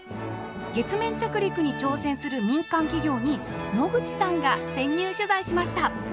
月面着陸に挑戦する民間企業に野口さんが潜入取材しました。